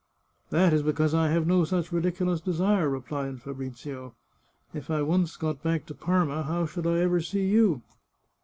" That is because I have no such ridiculous desire," re plied Fabrizio. " If I once got back to Parma how should I ever see you?